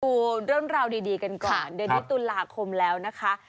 ดูเรื่องราวดีกันก่อนเดือนนี้ตุลาคมแล้วนะคะ